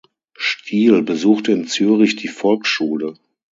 Stihl besuchte in Zürich die Volksschule.